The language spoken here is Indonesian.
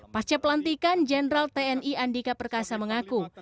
pasca pelantikan jenderal tni andika perkasa mengaku